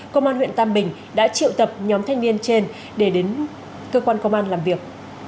công an huyện tam bình đã triệu tập nhóm thanh niên trên để đến cơ quan công an làm việc